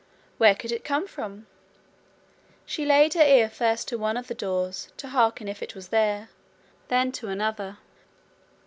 Where could it come from? She laid her ear first to one of the doors to hearken if it was there then to another.